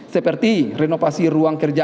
seperti renovasi ruang kerja